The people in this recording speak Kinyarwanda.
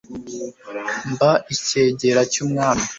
mba icyegera cyumwami